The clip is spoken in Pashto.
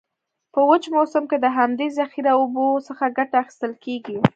په وچ موسم کې د همدي ذخیره اوبو څخه کټه اخیستل کیږي.